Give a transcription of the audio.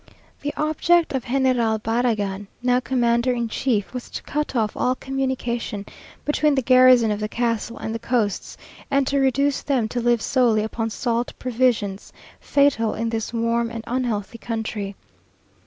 The object of General Barragan, now commander in chief, was to cut off all communication between the garrison of the castle and the coasts, and to reduce them to live solely upon salt provisions, fatal in this warm and unhealthy country.